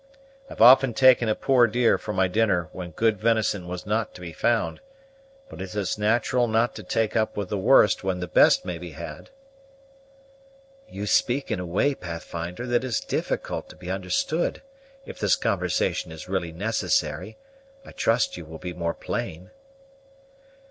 I've often taken a poor deer for my dinner when good venison was not to be found; but it's as nat'ral not to take up with the worst when the best may be had." "You speak in a way, Pathfinder, that is difficult to be understood. If this conversation is really necessary, I trust you will be more plain."